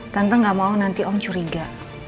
tante gak mau nanti om curiga